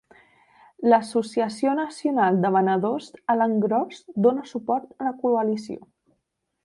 L'Associació Nacional de Venedors a l'engròs dona suport a la Coalició.